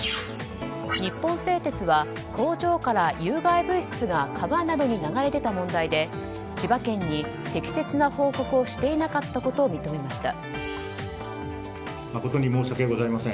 日本製鉄は工場から有害物質が川などに流れ出た問題で千葉県に適切な報告をしていなかったことを認めました。